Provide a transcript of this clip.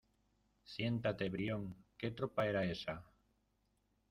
siéntate, Brión... ¿ qué tropa era esa?